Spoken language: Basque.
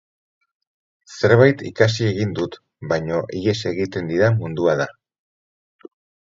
Zerbait ikasi egin dut, baina ihes egiten didan mundua da.